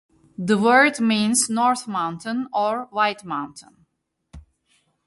The word means "north mountain" or "white mountain".